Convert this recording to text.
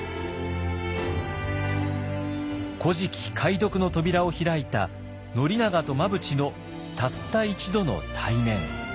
「古事記」解読の扉を開いた宣長と真淵のたった一度の対面。